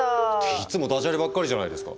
いつもダジャレばっかりじゃないですか。